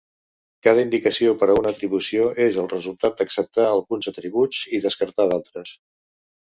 Cada indicació per a una atribució és el resultat d'acceptar alguns atributs i descartar d'altres.